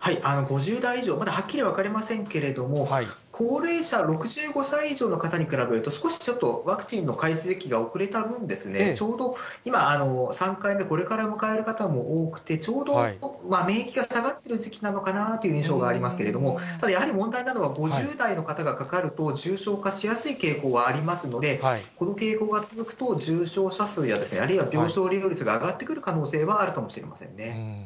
５０代以上、まだはっきり分かりませんけれども、高齢者、６５歳以上の方に比べると、少しちょっと、ワクチンの開始時期が遅れた分、ちょうど今、３回目、これから迎える方も多くて、ちょうど今、免疫が下がっている時期なのかなという印象がありますけれども、ただやはり問題なのは、５０代の方がかかる重症化しやすい傾向はありますので、この傾向が続くと、重症者数や、あるいは病床利用率が上がってくる可能性はあるかもしれませんね。